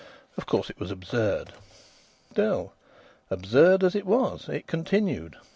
Of course, it was absurd. Still, absurd as it was, it continued.